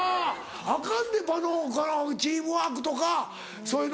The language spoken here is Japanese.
アカンで場のチームワークとかそういうの。